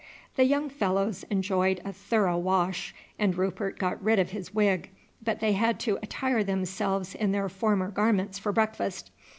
The young fellows enjoyed a thorough wash, and Rupert got rid of his wig, but they had to attire themselves in their former garments for breakfast.